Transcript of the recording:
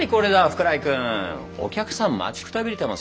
福来君お客さん待ちくたびれてますよ。